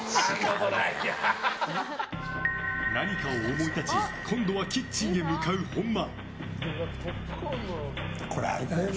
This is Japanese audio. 何かを思い立ち今度はキッチンへ向かう本間。